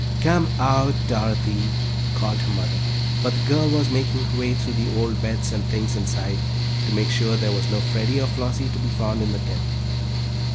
"Come out, Dorothy," called her mother, but the girl was making her way through the old beds and things inside, to make sure there was no Freddie or Flossie to be found in the tent.